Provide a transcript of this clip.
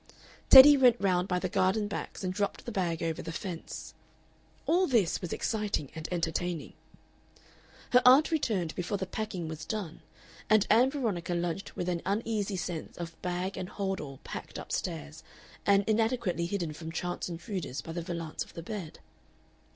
Teddy went round by the garden backs and dropped the bag over the fence. All this was exciting and entertaining. Her aunt returned before the packing was done, and Ann Veronica lunched with an uneasy sense of bag and hold all packed up stairs and inadequately hidden from chance intruders by the valance of the bed.